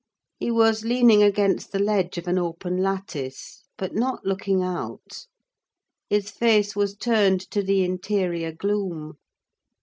He was leaning against the ledge of an open lattice, but not looking out: his face was turned to the interior gloom.